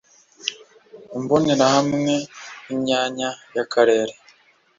imbonerahamwe y imyanya y Akarere